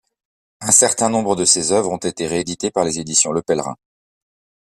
Un certain nombre de ses œuvres ont été rééditées par les éditions Le Pèlerin.